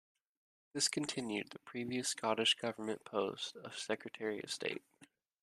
This continued the previous Scottish government post of Secretary of State.